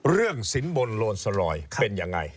เรื่องสินบนโรนสรอยเป็นยังไง